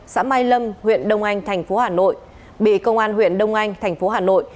xã mai lâm huyện đông anh tp hà nội bị công an huyện đông anh tp hà nội